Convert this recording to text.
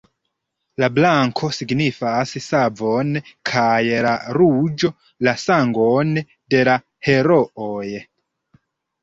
La blanko signifas savon kaj la ruĝo la sangon de la herooj.